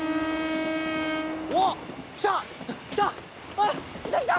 おっ来た！